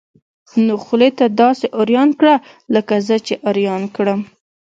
نو خولي ده داسې اریان کړه لکه زه چې اریان کړم.